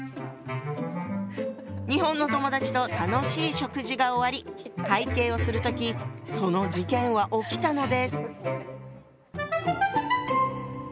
日本の友だちと楽しい食事が終わり会計をする時その事件は起きたのです。